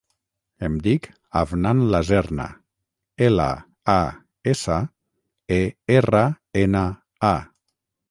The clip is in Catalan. Em dic Afnan Laserna: ela, a, essa, e, erra, ena, a.